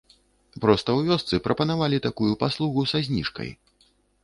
Проста ў вёсцы прапанавалі такую паслугу са зніжкай.